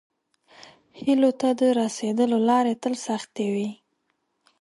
هیلو ته د راسیدلو لارې تل سختې وي.